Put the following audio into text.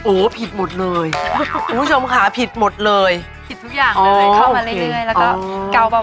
โอ้โหผิดหมดเลยคุณผู้ชมค่ะผิดหมดเลยผิดทุกอย่างเลยเข้ามาเรื่อยแล้วก็เกาเบา